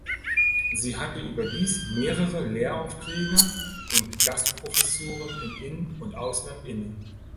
Sie hatte überdies mehrere Lehraufträge und Gastprofessuren im In- und Ausland inne.